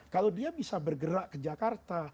kalau dia bisa bergerak ke jakarta